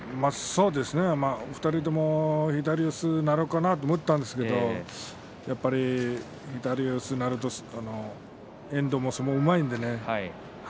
２人とも左四つになるかなと思ったんですがやはり左四つになると遠藤、相撲がうまいです。